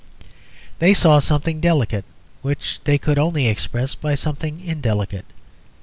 They saw something delicate which they could only express by something indelicate.